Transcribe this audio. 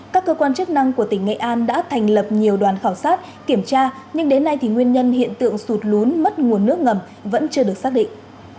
các cơ quan chức năng của tỉnh nghệ an đã thành lập nhiều đoàn khảo sát kiểm tra nhưng đến nay thì nguyên nhân hiện tượng sụt lún mất nguồn nước ngầm vẫn chưa được xác định